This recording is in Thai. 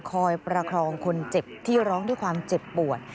คอยประคองคนเจ็บที่ร้องด้วยความเจ็บปวด